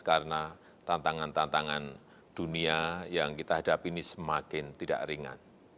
karena tantangan tantangan dunia yang kita hadapi ini semakin tidak ringan